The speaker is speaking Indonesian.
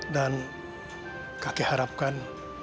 dan kakek harapkan